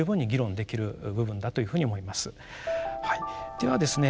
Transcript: ではですね